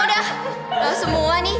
udah udah semua nih